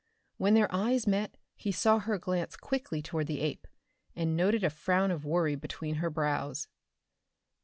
When their eyes met he saw her glance quickly toward the ape, and noted a frown of worry between her brows.